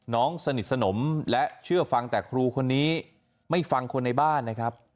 สนิทสนมและเชื่อฟังแต่ครูคนนี้ไม่ฟังคนในบ้านนะครับ